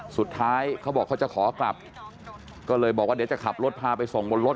เขาบอกเขาจะขอกลับก็เลยบอกว่าเดี๋ยวจะขับรถพาไปส่งบนรถ